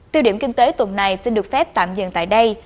tiêu điểm kinh tế tuần này xin được phép tạm dừng tại đây